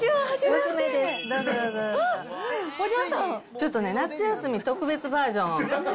ちょっとね、夏休み特別バージョンを。